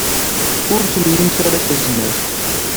Ur tlimt ara tazmert.